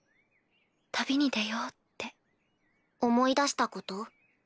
・旅に出ようって・・思い出したこと？